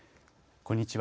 こんにちは。